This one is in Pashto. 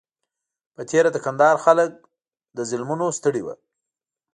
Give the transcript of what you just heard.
په تېره د کندهار خلک له ظلمونو ستړي وو.